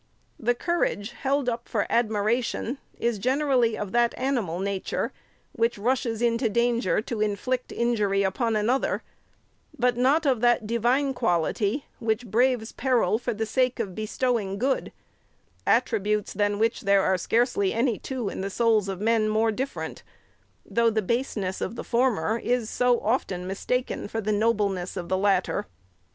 The courage held up for admiration is generally of that ani mal nature, which rushes into danger to inflict injury upon another ; but not of that Divine quality, which braves peril for the sake of bestowing good — attributes, than which there arc scarcely any two in the souls of men, more different, though the baseness of the former is so often mistaken for the nobleness of the latter.